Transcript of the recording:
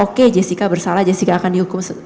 oke jessica bersalah jessica akan dihukum